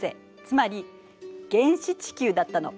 つまり原始地球だったの。